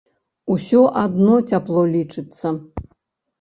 Усё адно цяпло лічыцца.